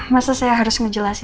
masa saya harus ngejelasin juga sih